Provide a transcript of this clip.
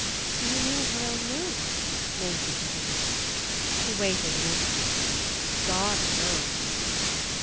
"Do you mean in her own room?" Maisie continued. She waited an instant. "God knows!"